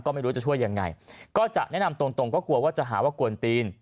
ก็ไม่รู้จะช่วยยังไงก็จะแนะนำตรงก็กลัวว่าจะหาว่ากวนตีน